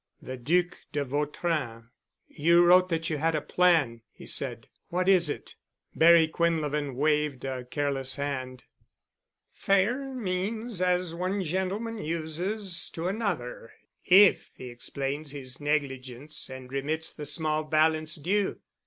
The Duc de Vautrin—— "You wrote that you had a plan," he said. "What is it?" Barry Quinlevin waved a careless hand. "Fair means, as one gentleman uses to another, if he explains his negligence and remits the small balance due.